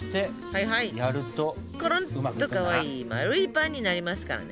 コロンとかわいい丸いパンになりますからね。